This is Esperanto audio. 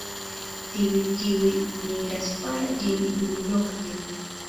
Tiuj kiuj migras faras ĝin dumnokte.